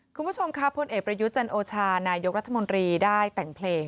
คุณผู้ชมค่ะพลเอกประยุทธ์จันโอชานายกรัฐมนตรีได้แต่งเพลง